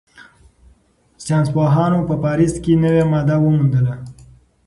ساینسپوهانو په پاریس کې نوې ماده وموندله.